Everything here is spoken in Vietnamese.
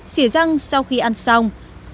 xỉa răng sau khi ăn xong